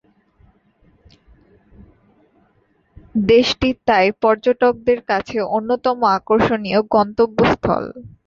দেশটি তাই পর্যটকদের কাছে অন্যতম আকর্ষণীয় গন্তব্যস্থল।